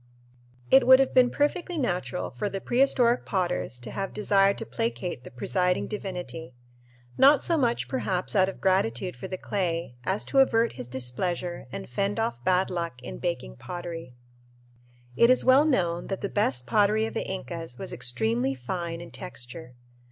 It would have been perfectly natural for the prehistoric potters to have desired to placate the presiding divinity, not so much perhaps out of gratitude for the clay as to avert his displeasure and fend off bad luck in baking pottery. It is well known that the best pottery of the Incas was extremely fine in texture.